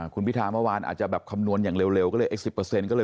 คุณพิธาเมื่อวานอาจจะแบบคำนวณอย่างเร็วก็เลยไอ้๑๐ก็เลย